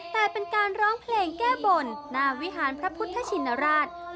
แต่เป็นการร้องเพลงแก้บนหน้าวิหารพระพุทธชินราช